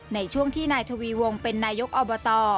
ในช่วงที่นายทวีวงเป็นนายกอบต